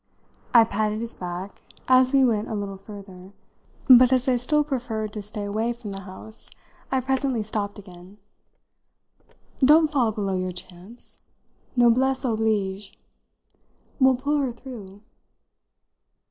I patted his back, as we went a little further, but as I still preferred to stay away from the house I presently stopped again. "Don't fall below your chance. Noblesse oblige. We'll pull her through."